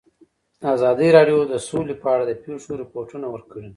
ازادي راډیو د سوله په اړه د پېښو رپوټونه ورکړي.